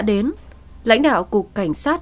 đến lãnh đạo cục cảnh sát